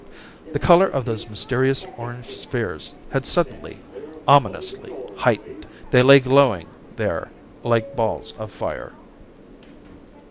The color of those mysterious orange spheres had suddenly, ominously heightened. They lay glowing there like balls of fire.